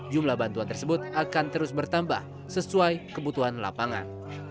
jumlah bantuan tersebut akan terus bertambah sesuai kebutuhan lapangan